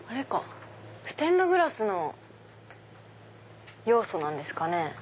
ステンドグラスの要素なんですかね。